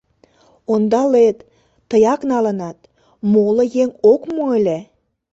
Ондалет, тыяк налынат, моло еҥ ок му ыле.